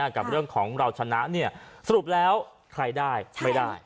กับเรื่องของเราชนะเนี่ยสรุปแล้วใครได้ไม่ได้